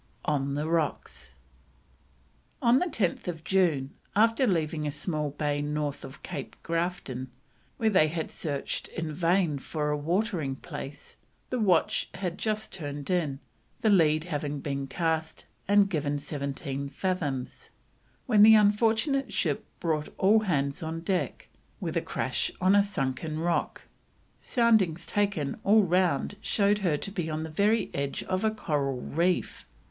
ON THE ROCKS. On 10th June, after leaving a small bay north of Cape Grafton, where they had searched in vain for a watering place, the watch had just turned in, the lead had been cast and given seventeen fathoms, when the unfortunate ship brought all hands on deck, with a crash on a sunken rock. Soundings taken all round showed her to be on the very edge of a coral reef.